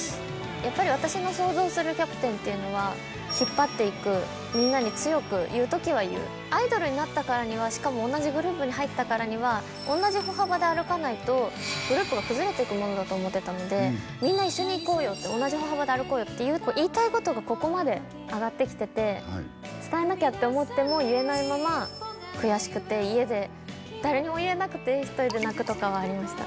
やっぱり私の想像するキャプテンっていうのは引っ張っていくみんなに強く言う時は言うアイドルになったからにはしかも同じグループに入ったからにはものだと思ってたのでみんな一緒にいこうよって同じ歩幅で歩こうよって言いたいことがここまで上がってきてて伝えなきゃって思っても言えないまま悔しくて家で誰にも言えなくて一人で泣くとかはありました